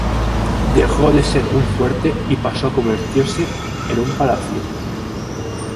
Dejó de ser un fuerte y pasó a convertirse en un palacio.